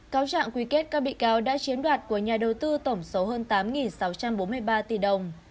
cáo trạng quy kết các bị cáo đã chiếm đoạt của nhà đầu tư tổng số hơn tám sáu trăm bốn mươi ba tỷ đồng